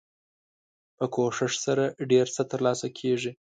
په کوښښ سره ډیر څه تر لاسه کیږي.